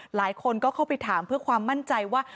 หลายคนก็เข้าไปถามเพื่อความมั่นใจว่า